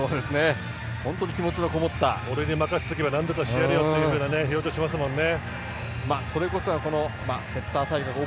本当に気持ちのこもった俺に任せば何とかしてやるよという表情をしますもんね。